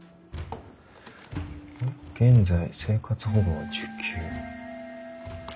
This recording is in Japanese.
「現在生活保護を受給」。